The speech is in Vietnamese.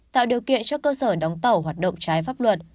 tạo điều kiện cho cơ sở đóng tàu hoạt động trái pháp luật